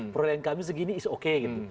perolahan kami segini is okay gitu